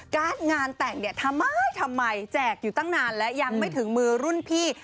งานแต่งเนี่ยทำไมทำไมแจกอยู่ตั้งนานและยังไม่ถึงมือรุ่นพี่